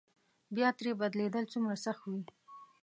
بیا ترې بېلېدل څومره سخت وي.